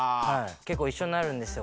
結構一緒になるんですよ